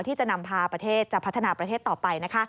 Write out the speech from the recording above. ที่จะนำพาประเทศจะพัฒนาประเทศต่อไปนะคะ